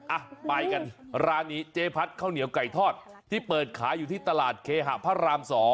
อ่ะไปกันร้านนี้เจ๊พัดข้าวเหนียวไก่ทอดที่เปิดขายอยู่ที่ตลาดเคหะพระราม๒